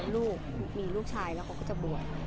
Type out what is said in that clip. ถ้ามีลูกชายเราก็จะบ่วน